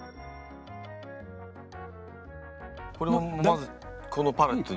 これもまずこのパレットに。